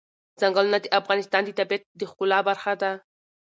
ځنګلونه د افغانستان د طبیعت د ښکلا برخه ده.